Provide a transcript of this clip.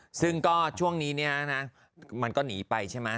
อ่าซึ่งก็ช่วงนี้เนี้ยนะฮะมันก็หนีไปใช่มั้ย